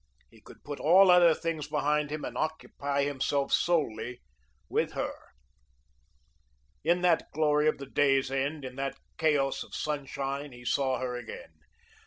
He could put all other things behind him and occupy himself solely with her. In that glory of the day's end, in that chaos of sunshine, he saw her again.